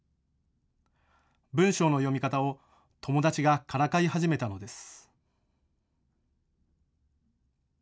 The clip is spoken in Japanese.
文章の読み方を友達がからかい始めたのです。